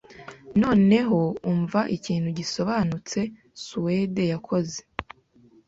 Noneho umva ikintu gisobanutse Suwede yakoze